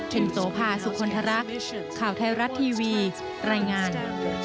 นโสภาสุคลทรักข่าวไทยรัฐทีวีรายงาน